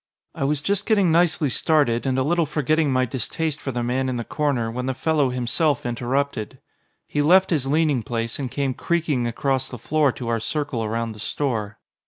I was just getting nicely started, and a little forgetting my distaste for the man in the corner, when the fellow himself interrupted. He left his leaning place, and came creaking across the floor to our circle around the store.